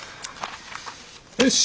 よし。